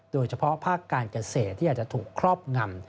โดยเฉพาะภาคการเกษตรที่อาจจะถูกครอบงำ